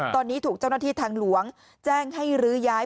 ตอนนี้ถูกเจ้าหน้าที่ทางหลวงแจ้งให้รื้อย้าย